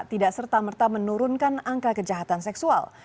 tidak serta merta menurunkan angka kejahatan seksual